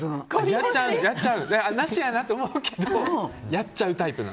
なしやなって思うけどやっちゃうタイプ。